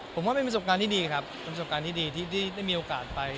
ผมว่าเป็นประสบการณ์ที่ดีครับเป็นประสบการณ์ที่ดีที่ได้มีโอกาสไป